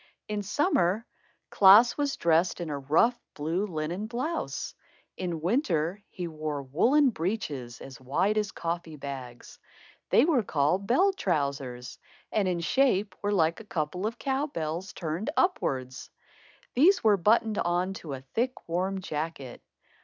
In summer Klaas was dressed in a rough, blue linen blouse. In winter he wore woollen breeches as wide as coffee bags. They were called bell trousers, and in shape were like a couple of cow bells turned upwards. These were buttoned on to a thick warm jacket.